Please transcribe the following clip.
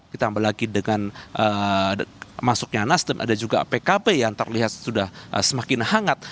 ditambah lagi dengan masuknya nasdem ada juga pkb yang terlihat sudah semakin hangat